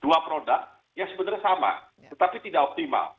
dua produk yang sebenarnya sama tetapi tidak optimal